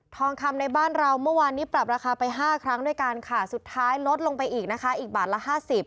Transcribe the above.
ทองคำในบ้านเราเมื่อวานนี้ปรับราคาไปห้าครั้งด้วยกันค่ะสุดท้ายลดลงไปอีกนะคะอีกบาทละห้าสิบ